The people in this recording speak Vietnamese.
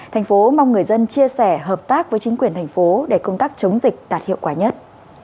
tp mong người dân chia sẻ hợp tác với chính quyền tp để công tác chống dịch đạt hiệu quả nhất